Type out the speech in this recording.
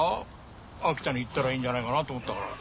秋田に行ったらいいんじゃないかなって思ったから。